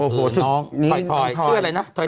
โอ้โหน้องถอยชื่ออะไรนะ